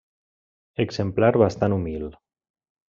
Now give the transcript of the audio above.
Exemplar bastant humil.